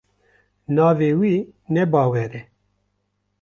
Navê wî ne Bawer e.